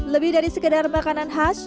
lebih dari sekedar makanan khas